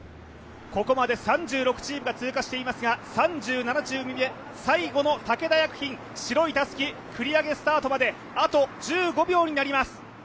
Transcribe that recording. ここまで３６チームが通過していますが、３７チーム目、最後の武田薬品、白いたすき、繰り上げスタートまであと１５秒になります。